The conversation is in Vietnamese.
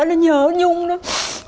nó nhớ nhung nó